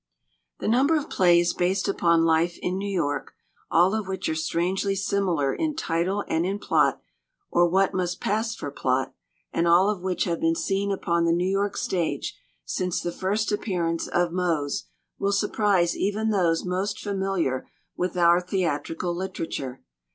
The number of plays based upon life in New York, all of which are strangely similar in title and in plot, or what must pass for plot, and all of which have been seen upon the New York stage since the first appearance of Mose, will surprise even those most familiar with our theatrical literature.